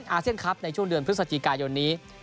อาเซียนคลับในช่วงเดือนพฤศจิกายนนี้